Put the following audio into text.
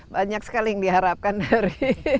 banyak sekali yang diharapkan dari